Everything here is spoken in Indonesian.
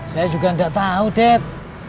saya juga enggak tahu dad